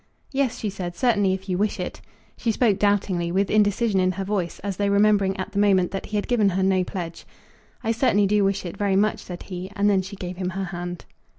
"Yes," she said, "certainly, if you wish it." She spoke doubtingly, with indecision in her voice, as though remembering at the moment that he had given her no pledge. "I certainly do wish it very much," said he; and then she gave him her hand.